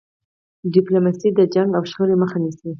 ډيپلوماسي د جنګ او شخړې مخه نیسي.